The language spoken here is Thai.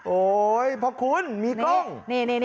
โอ๊ยพระคุณมีกล้อง